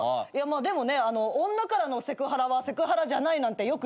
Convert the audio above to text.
でもね女からのセクハラはセクハラじゃないなんてよく言いますけどね。